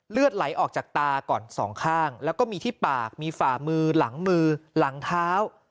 เลือดไหลออกจากตาก่อนสองข้างแล้วก็มีที่ปากมีฝ่ามือหลังมือหลังเท้า